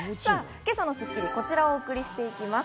今朝の『スッキリ』は、こちらをお送りしていきます。